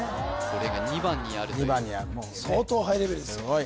それが２番にあるという相当ハイレベルですよ